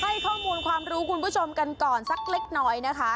ให้ข้อมูลความรู้คุณผู้ชมกันก่อนสักเล็กน้อยนะคะ